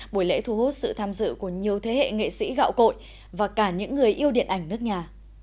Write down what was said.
buổi lễ thu hút sự tham dự của nhiều thế hệ nghệ sĩ gạo cội và cả những người yêu điện ảnh nước nhà